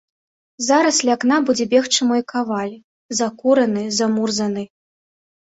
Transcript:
Зараз ля акна будзе бегчы мой каваль, закураны, замурзаны.